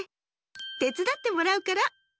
てつだってもらうから。